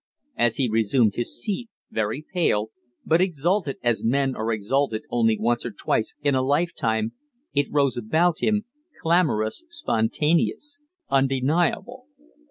As he resumed his seat, very pale, but exalted as men are exalted only once or twice in a lifetime, it rose about him clamorous, spontaneous, undeniable.